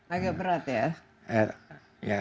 agak berat ya